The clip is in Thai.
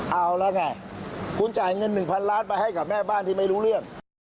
เอาแล้วไงคุณจ่ายเงิน๑๐๐ล้านไปให้กับแม่บ้านที่ไม่รู้เรื่อง